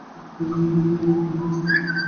কেমন লাগছে, বন্ধু?